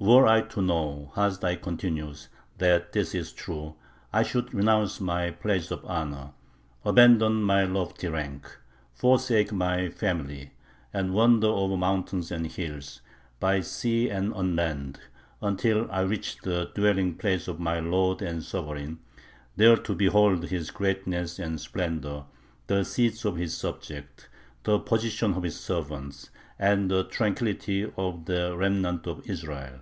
Were I to know Hasdai continues that this is true, I should renounce my place of honor, abandon my lofty rank, forsake my family, and wander over mountains and hills, by sea and on land, until I reached the dwelling place of my lord and sovereign, there to behold his greatness and splendor, the seats of his subjects, the position of his servants, and the tranquillity of the remnant of Israel....